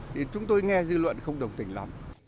thì chúng tôi nghe dư luận không đồng tình lắm